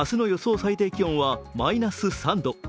最低気温はマイナス３度。